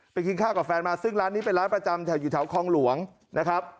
กินข้าวกับแฟนมาซึ่งร้านนี้เป็นร้านประจำแถวอยู่แถวคลองหลวงนะครับ